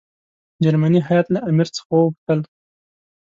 جرمني هیات له امیر څخه وغوښتل.